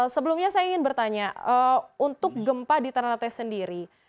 sebelumnya saya ingin bertanya untuk gempa di ternate sendiri